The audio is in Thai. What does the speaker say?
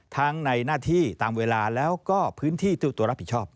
ทั้งในหน้าที่ตามเวลาแล้วก็พื้นที่เจ้าตัวรับผิดชอบ